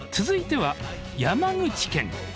続いては山口県。